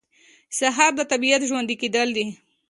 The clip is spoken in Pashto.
سهار د طبیعت ژوندي کېدل دي.